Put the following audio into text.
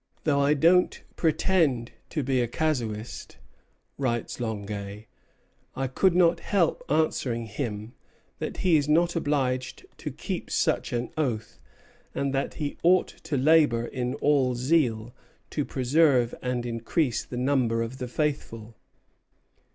"Though I don't pretend to be a casuist," writes Longueuil, "I could not help answering him that he is not obliged to keep such an oath, and that he ought to labor in all zeal to preserve and increase the number of the faithful."